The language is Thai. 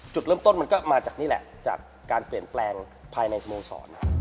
จุดเริ่มต้นมันก็มาจากนี่แหละจากการเปลี่ยนแปลงภายในสโมสร